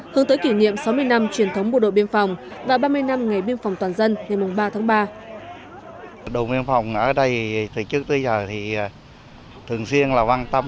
hướng tới kỷ niệm sáu mươi năm truyền thống bộ đội biên phòng và ba mươi năm ngày biên phòng toàn dân ngày ba tháng ba